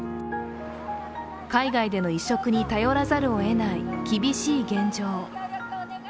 海外での移植に頼らざるを得ない厳しい現状。